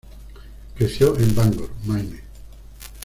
Creció en Bangor, Maine.